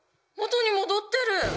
元に戻ってる！？